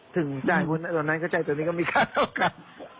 ถึงจ่ายมือให้ตอนนั้นก็จ่ายตอนนี้ก็มีค่าเท่ากัน